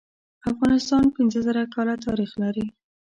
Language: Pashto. افغانستان پینځه زره کاله تاریخ لري.